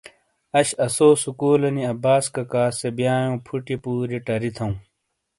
اش آسو سکولینی عباس ککاسے بیائنیوں پھوٹیے پوری ٹری تھوں۔